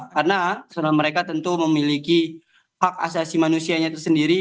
karena personal mereka tentu memiliki hak asasi manusianya itu sendiri